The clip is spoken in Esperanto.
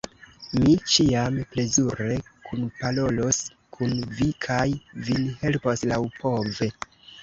Mi ĉiam plezure kunparolos kun vi kaj vin helpos laŭpove.